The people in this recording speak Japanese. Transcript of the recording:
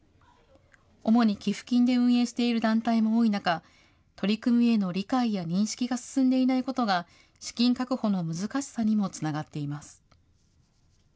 主に寄付金で運営している団体も多い中、取り組みへの理解や認識が進んでいないことが、資金確保の難しさにもつながっています。